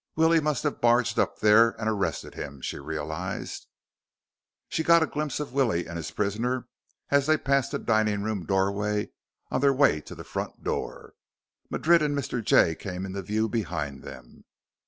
Willie must have barged up there and arrested him, she realized. She got a glimpse of Willie and his prisoner as they passed the dining room doorway on their way to the front door. Madrid and Mr. Jay came into view behind them.